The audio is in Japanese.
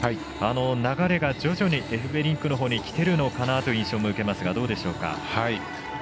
流れが徐々にエフベリンクのほうにきてるのかなという印象も受けますがどうでしょうか？